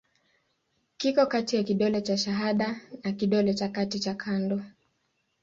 Kiko kati ya kidole cha shahada na kidole cha kati cha kando.